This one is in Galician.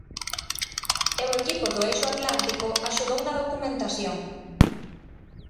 E o equipo do Eixo Atlántico axudou na documentación.